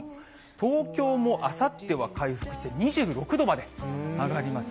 東京もあさっては回復して２６度まで上がります。